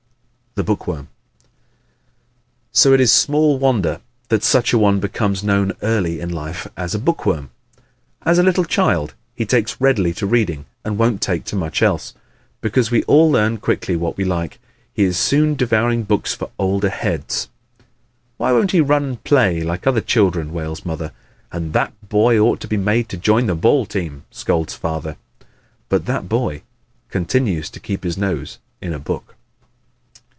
The Book Worm ¶ So it is small wonder that such a one becomes known early in life as a "book worm." As a little child he takes readily to reading and won't take to much else. Because we all learn quickly what we like, he is soon devouring books for older heads. "Why won't he run and play like other children?" wails Mother, and "That boy ought to be made to join the ball team," scolds Father; but "that boy" continues to keep his nose in a book.